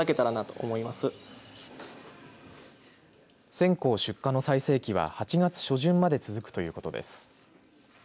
線香出荷の最盛期は８月初旬まで続くということです。